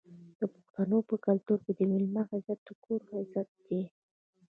د پښتنو په کلتور کې د میلمه عزت د کور عزت دی.